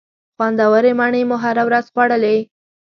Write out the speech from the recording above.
خوندورې مڼې مو هره ورځ خوړلې.